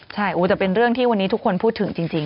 ใช่แต่เป็นเรื่องที่วันนี้ทุกคนพูดถึงจริง